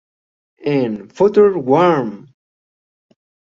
En "Future-Worm!